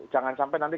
jangan sampai nanti